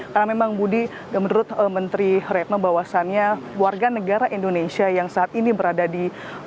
karena memang budi menurut menteri retno bahwasannya warga negara indonesia yang saat ini berada di